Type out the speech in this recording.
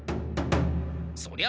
そりゃ